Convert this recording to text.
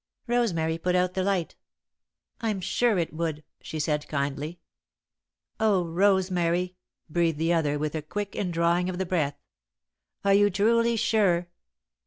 Rosemary put out the light. "I'm sure it would," she said, kindly. "Oh, Rosemary!" breathed the other, with a quick indrawing of the breath. "Are you truly sure?"